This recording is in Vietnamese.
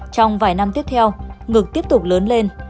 trong vài năm tiếp theo ngực tiếp tục lớn lên